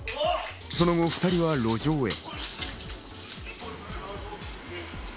その後、２人は路上へ。